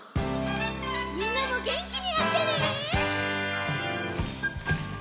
みんなもげんきにやってね！